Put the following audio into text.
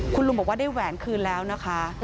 คุณลุงบอกว่าได้แหวนคืนแล้วนะคะ